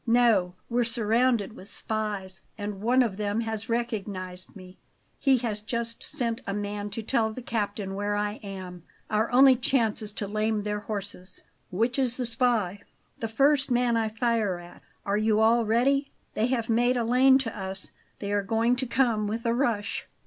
"No; we're surrounded with spies, and one of them has recognized me. He has just sent a man to tell the captain where I am. Our only chance is to lame their horses." "Which is the spy?" "The first man I fire at. Are you all ready? They have made a lane to us; they are going to come with a rush."